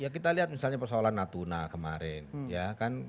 kita lihat misalnya persoalan natuna kemarin